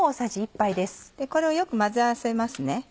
これをよく混ぜ合わせますね。